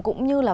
cũng như là